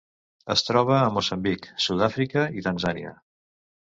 Es troba a Moçambic, Sud-àfrica i Tanzània.